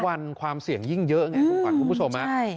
ทุกวันความเสี่ยงยิ่งเยอะไงคุณผู้ชม